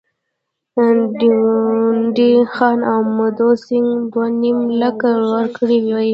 ډونډي خان او مدو سینګه دوه نیم لکه ورکړي وای.